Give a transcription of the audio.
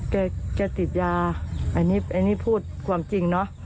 แกติดยาอันนี้พูดความจริงเนอะ